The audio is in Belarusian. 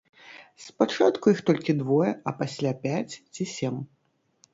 Спачатку іх толькі двое, а пасля пяць ці сем.